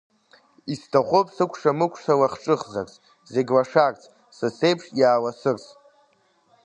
Исҭахуп сыкәша-мыкәша лахҿыхзарц, зегь лашарц, са сеиԥш иааласырц.